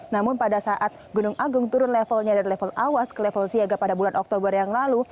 namun pada saat gunung agung turun levelnya dari level awas ke level siaga pada bulan oktober yang lalu